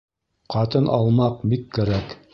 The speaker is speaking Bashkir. Ҡатын алмаҡ бик кәрәк